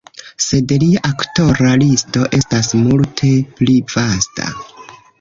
Sed lia aktora listo estas multe pli vasta.